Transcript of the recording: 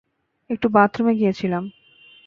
একটু বাথরুমে গিয়েছিলাম।